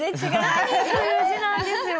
「何」という字なんですよ。